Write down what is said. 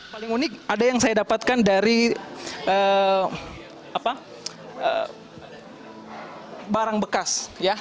paling unik ada yang saya dapatkan dari barang bekas